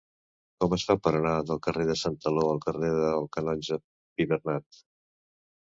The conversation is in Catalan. Com es fa per anar del carrer de Santaló al carrer del Canonge Pibernat?